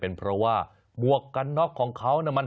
เป็นเพราะว่าหมวกกะน็อกของเขามันหาย